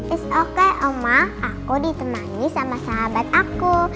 it's okay oma aku ditemani sama sahabat aku